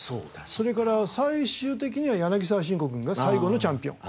それから最終的には柳沢慎吾君が最後のチャンピオン。